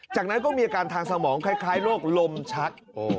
จากนั้นก็มีอาการทางสมองคล้ายโรคลมชัก